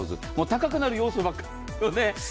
高くなる要素が。